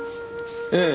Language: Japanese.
ええ。